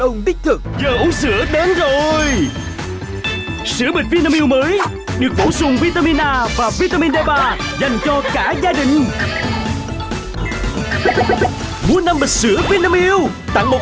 còn tiếp tục với tiểu mục lệnh truy nã sau một ít phút bảng cáo